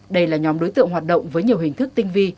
đây là nhóm đối tượng hoạt động với nhiều hình thức tinh vi